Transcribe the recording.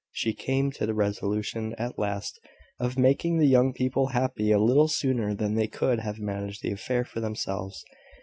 She came to the resolution at last of making the young people happy a little sooner than they could have managed the affair for themselves.